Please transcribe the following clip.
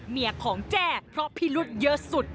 เมียของแจ้เพราะพิรุษเยอะสุด